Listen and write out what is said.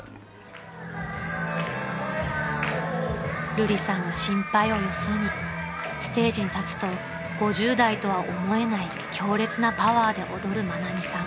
［るりさんの心配をよそにステージに立つと５０代とは思えない強烈なパワーで踊る愛美さん］